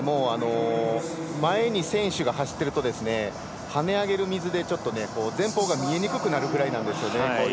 前に選手が走っていると跳ね上げる水で前方が見えにくくなるくらいなんですね。